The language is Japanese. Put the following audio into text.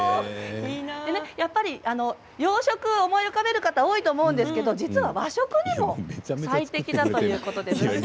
洋食を思い浮かべる方多いと思うんですが実は、和食にも最適だということです。